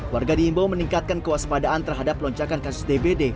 warga di imbau meningkatkan kewaspadaan terhadap lonjakan kasus dpd